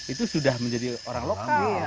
itu sudah menjadi orang lokal